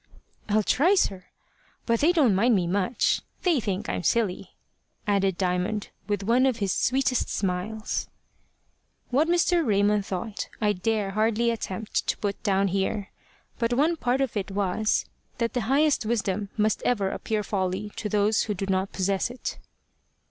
"I'll try, sir. But they don't mind me much. They think I'm silly," added Diamond, with one of his sweetest smiles. What Mr. Raymond thought, I dare hardly attempt to put down here. But one part of it was, that the highest wisdom must ever appear folly to those who do not possess it.